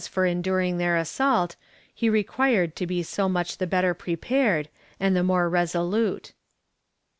for enduring their assault, he required to be so much the better prepared, and the more resolute.